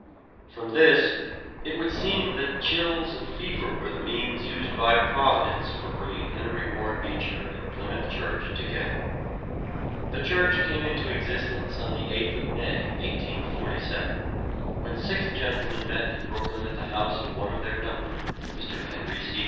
From this it would seem that chills and fever were the means used by Providence for bringing Henry Ward Beecher and Plymouth Church together. The church came into existence on the 8th of May, 1847, when six gentlemen met in Brooklyn at the house of one of their number, Mr. Henry C.